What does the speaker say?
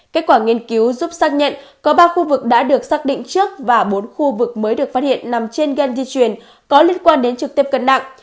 kết quả nghiên cứu giúp xác nhận có ba khu vực đã được xác định trước và bốn khu vực mới được phát hiện nằm trên gan di truyền có liên quan đến trực tiếp cân nặng